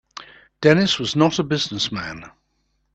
Dennis was not a business man.